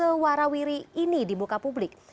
kedua warawiri ini di muka publik